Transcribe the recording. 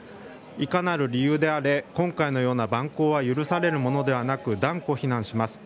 いかなる理由であれ今回のような蛮行は許されるものではなく断固非難します。